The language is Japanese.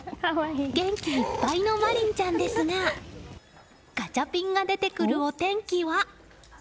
元気いっぱいの茉凛ちゃんですがガチャピンが出てくるお天気は。